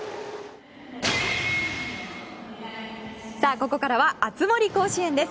ここからは「熱盛甲子園」です。